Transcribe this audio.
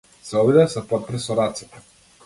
Се обиде да се потпре со рацете.